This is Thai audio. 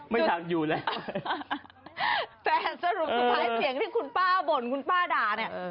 ไม่อยากอยู่แล้วแต่สรุปสุดท้ายเสียงที่คุณป้าบ่นคุณป้าด่าเนี่ย